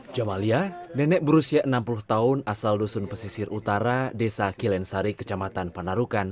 jamalia nenek berusia enam puluh tahun asal dusun pesisir utara desa kilensari kecamatan panarukan